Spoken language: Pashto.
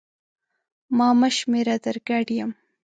ما مه شمېره در ګډ یم!